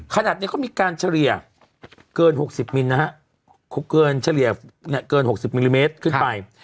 ขนาดนี้ก็มีการเฉลี่ยเกิน๖๐มิลลิเมตร